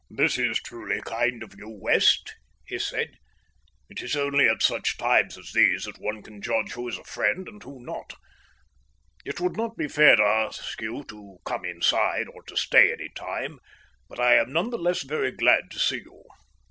"This is truly kind of you, West," he said. "It is only at such times as these that one can judge who is a friend and who not. It would not be fair to you to ask you to come inside or to stay any time, but I am none the less very glad to see you."